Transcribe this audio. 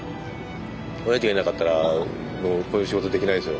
おやじがいなかったらこういう仕事できないですよ。